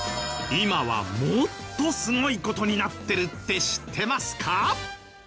今はもっとすごい事になってるって知ってますか？